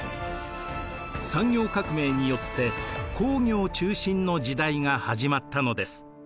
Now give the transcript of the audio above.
産業革命によって工業中心の時代が始まったのです。